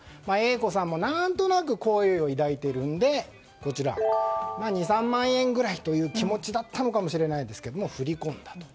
Ａ子さんも何となく好意を抱いてるので２３万円ぐらいという気持ちだったのかもしれないですが、振り込んだと。